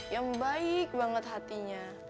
yang baik banget hatinya